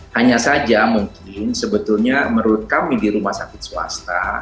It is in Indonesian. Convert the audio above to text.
hanya saja mungkin sebetulnya menurut kami di rumah sakit swasta